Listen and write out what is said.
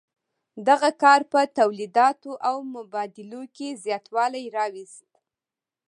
دغه کار په تولیداتو او مبادلو کې زیاتوالی راوست.